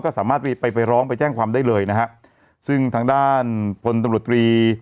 ก็สามารถไปไปร้องไปแจ้งความได้เลยนะฮะซึ่งทางด้านพลตำรวจตรี